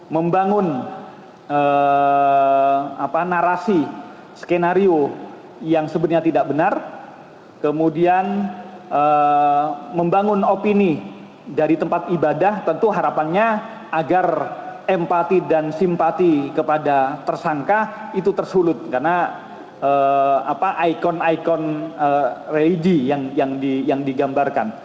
membangun narasi skenario yang sebenarnya tidak benar kemudian membangun opini dari tempat ibadah tentu harapannya agar empati dan simpati kepada tersangka itu tersulut karena ikon ikon religi yang digambarkan